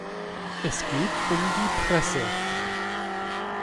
Es geht um die Presse.